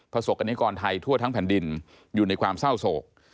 สกรณิกรไทยทั่วทั้งแผ่นดินอยู่ในความเศร้าโศก